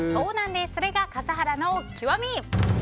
それが笠原の極み。